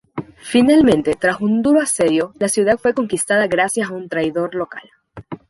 Finalmente, tras un duro asedio, la ciudad fue conquistada gracias a un traidor local.